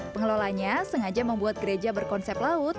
pengelolanya sengaja membuat gereja berkonsep laut